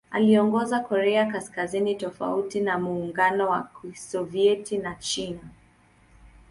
Aliongoza Korea Kaskazini tofauti na Muungano wa Kisovyeti na China.